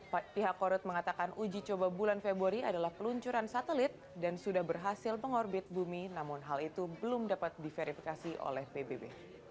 pihak korup mengatakan uji coba bulan februari adalah peluncuran satelit dan sudah berhasil mengorbit bumi namun hal itu belum dapat diverifikasi oleh pbb